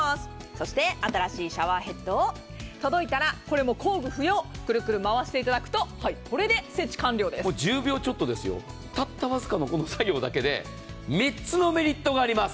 そして、新しいシャワーヘッドが届いたらこれ工具不要、くるくる回していただくと、１０秒ちょっとですよ、たった僅かな作業だけで３つのメリットがあります。